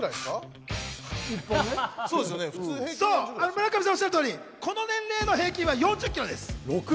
村上さんおっしゃる通り、この年齢の平均は４０キロです。